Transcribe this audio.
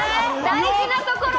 大事なところ！